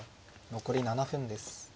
残り７分です。